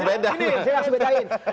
saya harus bedain